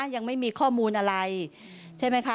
ยังไม่มีข้อมูลอะไรใช่ไหมคะ